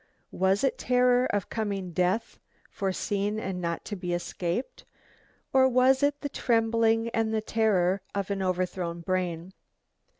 Was it terror of coming death, foreseen and not to be escaped? or was it the trembling and the terror of an overthrown brain?